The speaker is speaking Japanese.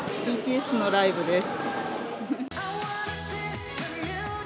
ＢＴＳのライブです。